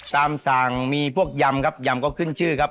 ตามสั่งมีพวกยำครับยำก็ขึ้นชื่อครับ